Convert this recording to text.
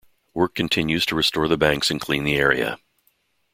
Work continues to restore the banks and clean the area.